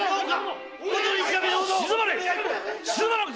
静まれっ！